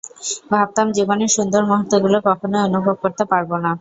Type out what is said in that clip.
ভাবতাম জীবনের সুন্দর মুহূর্তগুলি কখনই অনুভব করতে পারব না।